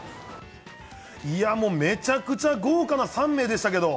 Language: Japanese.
いや、もう、めちゃくちゃ豪華な３名でしたけど。